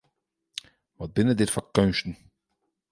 Wat binne dit foar keunsten!